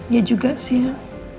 ya juga sih